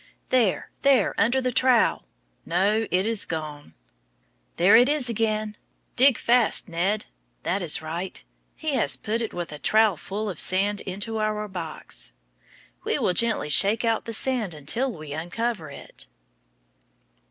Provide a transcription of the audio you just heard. There, there, under the trowel! No, it is gone. There it is again. Dig fast, Ned. That is right. He has put it with a trowelful of sand into our box. We will gently shake out the sand until we uncover it.